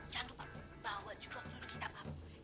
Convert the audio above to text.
jangan lupa bawa juga ke duduk kita pak